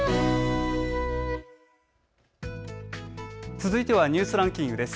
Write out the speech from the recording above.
続いてはニュースランキングです。